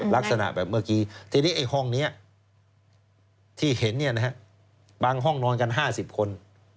ลักษณะแบบเมื่อกี้ทีนี้ไอ้ห้องนี้ที่เห็นบางห้องนอนกัน๕๐คน